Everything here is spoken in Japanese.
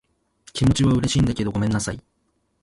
気持ちは嬉しいんだけど、ごめんなさい。